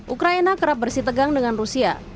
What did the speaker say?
ukraina kerap bersitegang dengan rusia